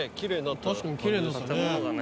確かにきれいですね